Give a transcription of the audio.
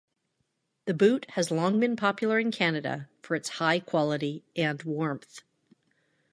The boot has long been popular in Canada for its high quality and warmth.